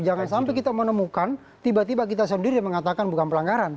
jangan sampai kita menemukan tiba tiba kita sendiri yang mengatakan bukan pelanggaran